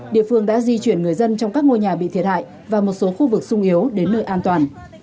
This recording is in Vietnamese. địa phương đã di chuyển người dân trong các ngôi nhà bị thiệt hại và một số khu vực sung yếu đến nơi an toàn